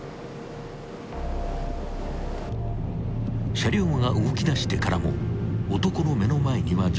［車両が動きだしてからも男の目の前には女性］